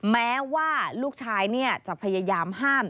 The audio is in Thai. แม้ว่าลูกชายจะพยายามห้าม